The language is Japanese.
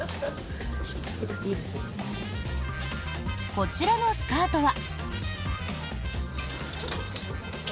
こちらのスカートは。